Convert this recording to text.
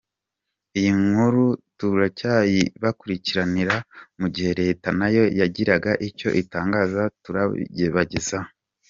Iyi nkuru turacyayibakurikiranira mu gihe leta nayo yagira icyo itangaza turabibagezaho.